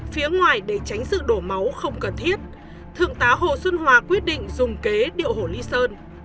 phía ngoài để tránh sự đổ máu không cần thiết thượng tá hồ xuân hòa quyết định dùng kế điệu hổ lý sơn